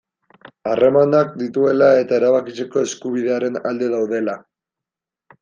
Harremanak dituela eta erabakitzeko eskubidearen alde daudela.